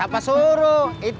bak dipaja prin